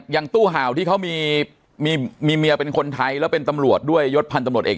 อย่างตู้ห่าวที่เขามีมีเมียเป็นคนไทยแล้วเป็นตำรวจด้วยยศพันธ์ตำรวจเอก